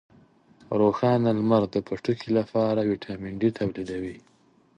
روښانه لمر د پوټکي لپاره ویټامین ډي تولیدوي.